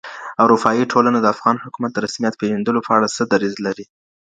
اروپایي ټولنه د افغان حکومت د رسمیت پېژندلو په اړه څه دریځ لري؟